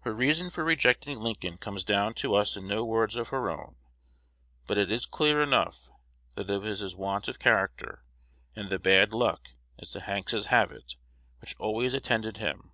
Her reason for rejecting Lincoln comes down to us in no words of her own; but it is clear enough that it was his want of character, and the "bad luck," as the Hankses have it, which always attended him.